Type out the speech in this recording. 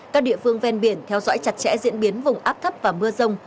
các địa phương ven biển theo dõi chặt chẽ diễn biến vùng áp thấp và mưa rông